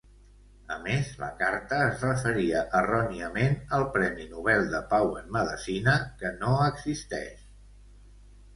A més, la carta es referia erròniament al Premi Nobel de Pau en Medecina, que no existeix.